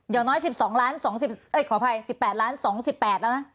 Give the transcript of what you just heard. อย่างน้อย๑๒ล้านขออภัย๑๘ล้าน๒๘แล้วนะ